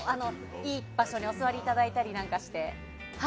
いい場所にお座りいただいたりなんかして。